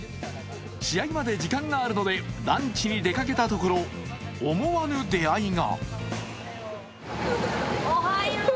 試合まで時間があるのでランチに出かけたところ思わぬ出会いが。